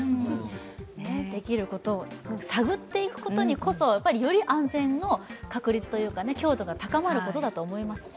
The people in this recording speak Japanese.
できることを探っていくことにこそ、より安全の確立というか、強度が高まることだと思いますし。